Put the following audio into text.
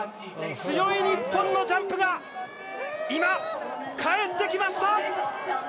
強い日本のジャンプが今、帰ってきました！